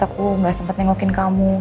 aku gak sempat nengokin kamu